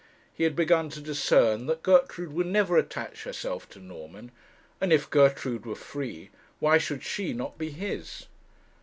He had begun to discern that Gertrude would never attach herself to Norman; and if Gertrude were free, why should she not be his?